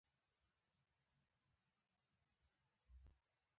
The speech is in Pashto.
د انجن ګرمولو لپاره ځانګړي بخارۍ له ځان سره وړل کیږي